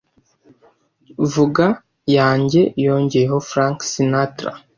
Vuga Yanjye Yongeyeho Frank Sinatra